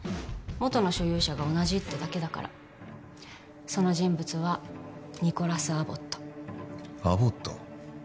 元の所有者が同じってだけだからその人物はニコラス・アボットアボット？